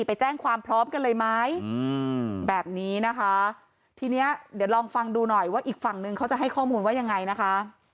ไปแจ้งความพร้อมกันเลยไหมอืมแบบนี้นะคะทีเนี้ยเดี๋ยวลองฟังดูหน่อยว่าอีกฝั่งนึงเขาจะให้ข้อมูลว่ายังไงนะคะ